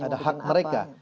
ada hak mereka